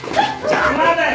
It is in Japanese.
邪魔だよ。